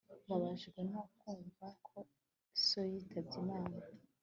Mbabajwe no kumva ko so yitabye Imana